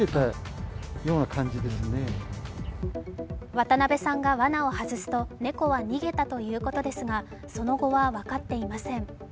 渡邉さんがわなを外すと猫は逃げたということですがその後は分かっていません。